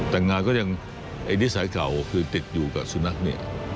แต่งงานก็ยังไอ้นิสัยเก่าคือติดอยู่กับสุนัขเนี่ย